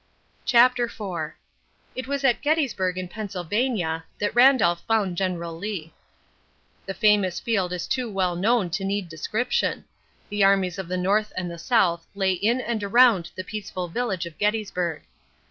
CHAPTER IV It was at Gettysburg in Pennsylvania that Randolph found General Lee. The famous field is too well known to need description. The armies of the North and the South lay in and around the peaceful village of Gettysburg.